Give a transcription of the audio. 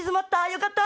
よかった！